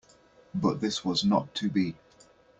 But this was not to be.